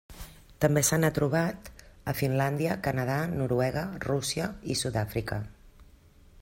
També se n'ha trobat a Finlàndia, Canadà, Noruega, Rússia i Sud-àfrica.